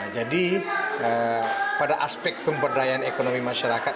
jadi pada aspek pemberdayaan ekonomi masyarakat